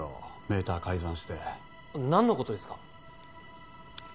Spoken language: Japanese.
メーター改ざんして何のことですか？